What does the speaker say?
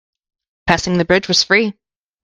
Passing the bridge was free.